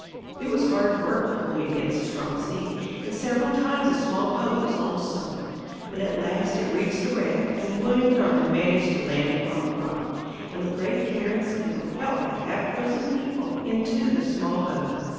It was hard work pulling against the strong sea, and several times the small boat was almost sunk. But at last it reached the wreck, and William Darling managed to land upon the rock, and with great care and skill helped the half frozen people into the small boat.